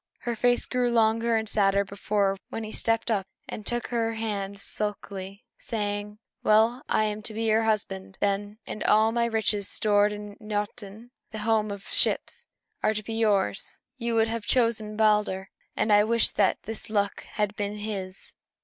Her face grew longer and sadder than before when he stepped up and took her hand sulkily, saying, "Well, I am to be your husband, then, and all my riches stored in Noatûn, the home of ships, are to be yours. You would have chosen Balder, and I wish that this luck had been his!